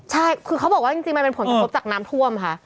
ใช่คือเขาบอกว่าจริงมันเป็นผลกระทบจากน้ำท่วมค่ะ